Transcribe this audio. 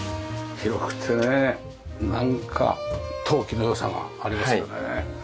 なんか陶器の良さがありますよね。